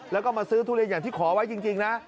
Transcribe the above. แล้วก็มาซื้อทุเรียนอย่างที่ขอไว้จริงนะ